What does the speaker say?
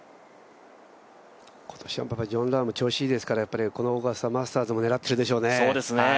今年はジョン・ラーム調子いいですからこのオーガスタ、マスターズも狙っているでしょうね。